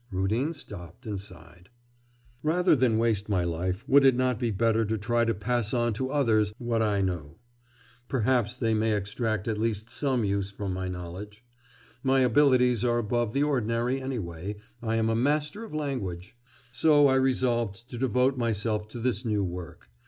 Rudin stopped and sighed. 'Rather than waste my life, would it not be better to try to pass on to others what I know; perhaps they may extract at least some use from my knowledge. My abilities are above the ordinary anyway, I am a master of language. So I resolved to devote myself to this new work.